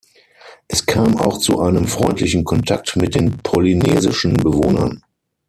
Es kam auch zu einem freundlichen Kontakt mit den polynesischen Bewohnern.